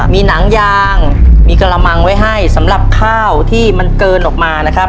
มีหนังยางมีกระมังไว้ให้สำหรับข้าวที่มันเกินออกมานะครับ